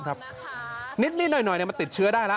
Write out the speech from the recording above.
ครับนิดหน่อยมันติดเชื้อได้ละ